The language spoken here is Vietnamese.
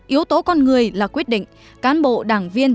yếu tố con người là quyết định cán bộ đảng viên